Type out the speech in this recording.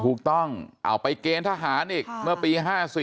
ถูกต้องเอาไปเกณฑ์ทหารอีกเมื่อปี๕๔